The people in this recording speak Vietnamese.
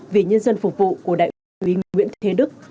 vì nhân dân phục vụ của đại biểu nguyễn thế đức